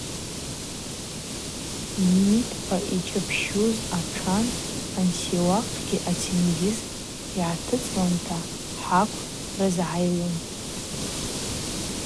Мидпа йчӏапщуз атшан ансиуахъгьи атенгьыз йгӏатыцӏуанта хакӏвакӏ рызгӏайлун.